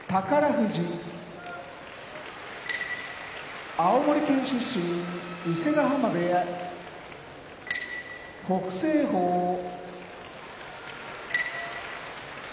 富士青森県出身伊勢ヶ濱部屋北青鵬北海道出身